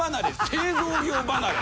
製造業離れ。